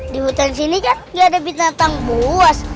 di hutan sini kan nggak ada binatang buas